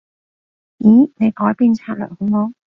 咦？你改變策略好冇？